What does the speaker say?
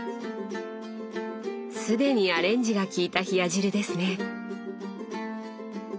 既にアレンジがきいた冷や汁ですね。